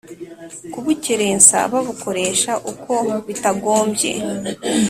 kubukerensa babukoresha uko bitagombye,